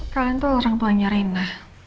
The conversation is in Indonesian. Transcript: kalian tuh orang tuanya rina